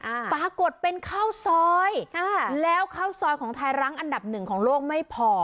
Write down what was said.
อ่าปรากฏเป็นข้าวซอยค่ะแล้วข้าวซอยของไทยรั้งอันดับหนึ่งของโลกไม่พอ